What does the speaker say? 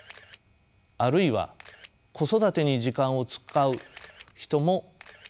あるいは子育てに時間を使う人もいます。